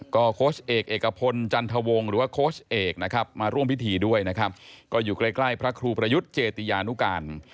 ก็โค้ชเอกเอกพลจันทวงหรือว่าโค้ชเอกนะครับมาร่วมพิธีด้วยนะครับก็อยู่ใกล้พระครูประยุทธ์เจติยานุการ